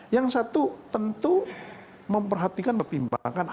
yang satu tentu memperhatikan pertimbangan hak